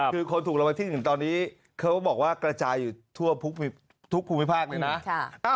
คือคนถูกรางวัลที่๑ตอนนี้เขาบอกว่ากระจายอยู่ทั่วทุกภูมิภาคเลยนะ